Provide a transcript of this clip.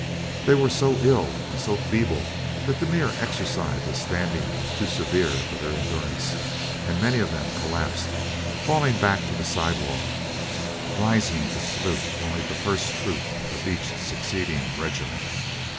They were so ill and so feeble that the mere exercise of standing was too severe for their endurance, and many of them collapsed, falling back to the sidewalk, rising to salute only the first troop of each succeeding regiment.